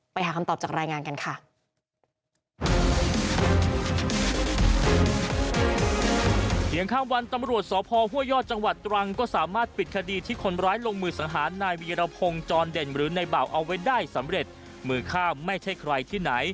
ไปหาคำตอบจากรายงานกันค่ะ